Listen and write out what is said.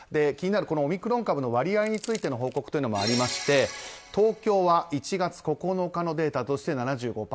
気になるオミクロン株の割合についての報告というのもありまして東京は１月９日のデータで７５％。